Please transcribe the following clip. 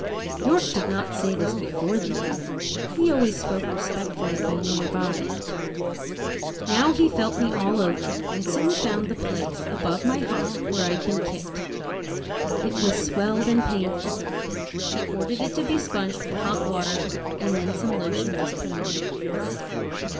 York did not say this before the men; he always spoke respectfully when they were by. Now he felt me all over, and soon found the place above my hock where I had been kicked. It was swelled and painful; he ordered it to be sponged with hot water, and then some lotion was put on.